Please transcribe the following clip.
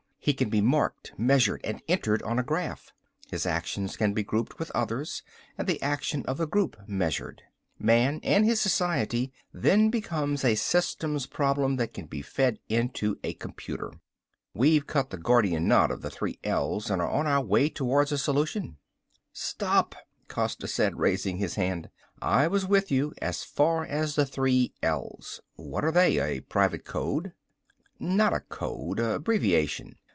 He can be marked, measured and entered on a graph. His actions can be grouped with others and the action of the group measured. Man and his society then becomes a systems problem that can be fed into a computer. We've cut the Gordian knot of the three L's and are on our way towards a solution." "Stop!" Costa said, raising his hand. "I was with you as far as the 3L's. What are they? A private code?" "Not a code abbreviation.